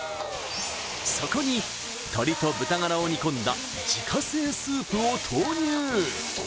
そこに鶏と豚ガラを煮込んだ自家製スープを投入